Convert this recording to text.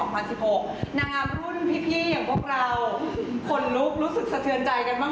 นางงามรุ่นพี่อย่างพวกเราขนลุกรู้สึกสะเทือนใจกันบ้าง